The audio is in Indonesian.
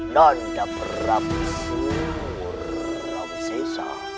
nanda prabu suram sesa